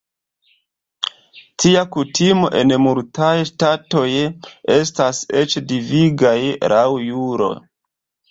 Tia kutimo en multaj ŝtatoj estas eĉ devigaj laŭ juro.